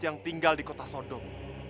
yang tinggal di kota sodong